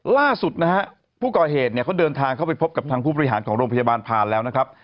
ล่าสุดนะฮะผู้ก่อเหตุเนี่ยเขาเดินทางเข้าไปพบกับทางผู้บริหารของโรงพยาบาลผ่านแล้วนะครับ